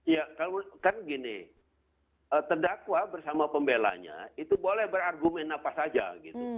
ya kan gini terdakwa bersama pembelanya itu boleh berargumen apa saja gitu